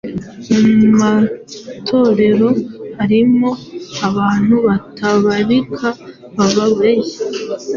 Mu matorero harimo abantu batabarika bababaye.